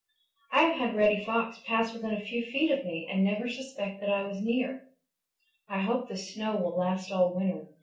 I have had Reddy Fox pass within a few feet of me and never suspect that I was near. I hope this snow will last all winter.